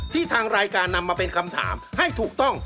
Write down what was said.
ทางรายการนำมาเป็นคำถามให้ถูกต้อง